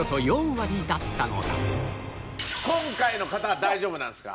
今回の方は大丈夫なんですか？